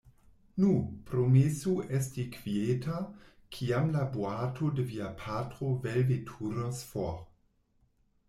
Nu, promesu esti kvieta, kiam la boato de via patro velveturos for.